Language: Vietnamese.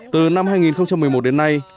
từ năm hai nghìn một mươi một đến nay